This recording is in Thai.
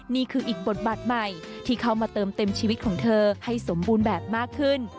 นี่คืออีกบทบาทใหม่ที่เข้ามาเติมเต็มชีวิตของเธอให้สมบูรณ์แบบมากขึ้น